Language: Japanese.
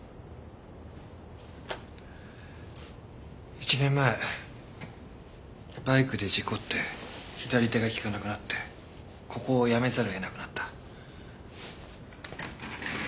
１年前バイクで事故って左手が利かなくなってここを辞めざるを得なくなった。